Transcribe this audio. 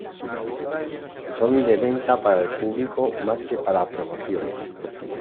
Son de venta para el público más que para promociones.